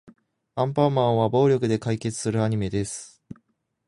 アンパンマンは暴力で解決するアニメです。